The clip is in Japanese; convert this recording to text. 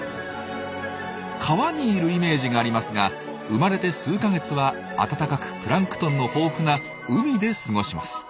川にいるイメージがありますが生まれて数か月は暖かくプランクトンの豊富な海で過ごします。